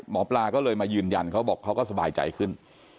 หมอปลาก็เลยมายืนยันเขาบอกเขาก็สบายใจขึ้น